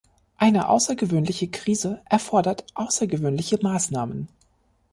Eine außergewöhnliche Krise erfordert außergewöhnliche Maßnahmen.